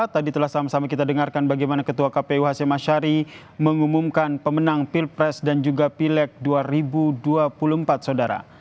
tadi telah sama sama kita dengarkan bagaimana ketua kpu hashim ashari mengumumkan pemenang pilpres dan juga pilek dua ribu dua puluh empat saudara